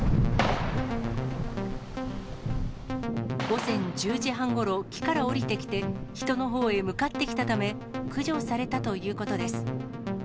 午前１０時半ごろ、木から降りてきて、人のほうへ向かってきたため、駆除されたということです。